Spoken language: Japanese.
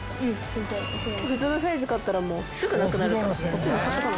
普通のサイズ買ったらもうすぐなくなるから。